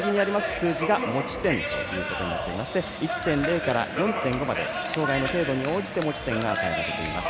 数字が持ち点となっていまして１．０から４．５まで障がいの程度に応じて持ち点が与えられています。